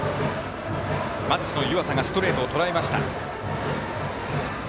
まず湯淺がストレートをとらえました。